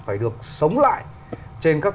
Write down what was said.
phải được sống lại trên các